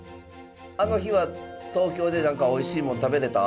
あの日は東京で何かおいしいもん食べれた？